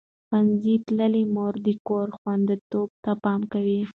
ښوونځې تللې مور د کور خوندیتوب ته پام کوي.